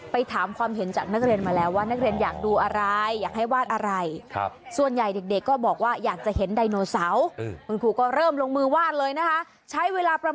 ถามความเห็นจากนักเรียนมาแล้วว่านักเรียนอยากดูอะไรอยากให้วาดอะไร